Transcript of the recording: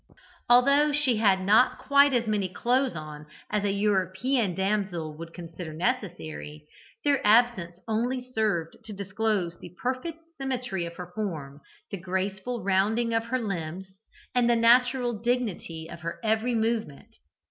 Although she had not quite as many clothes on as an European damsel would consider necessary, their absence only served to disclose the perfect symmetry of her form, the graceful rounding of her limbs, and the natural dignity of her every movement.